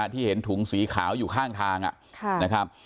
ที่เห็นถุงสีขาวอยู่ข้างทางนะครับ